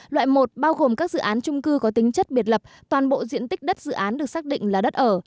loại một bao gồm các dự án trung cư có tính chất biệt lập toàn bộ diện tích đất dự án được xác định là đất ở